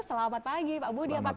selamat pagi pak budi apa kabar